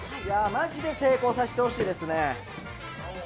マジで成功させてほしいですね。